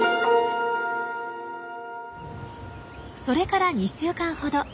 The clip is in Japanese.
それから２週間ほど。